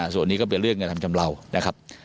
ส่วนนี้ก็เป็นเรื่องกระทำชำเลานะครับ